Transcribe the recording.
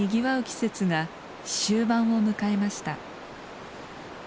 季節が終盤を迎えました。